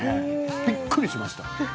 びっくりしました。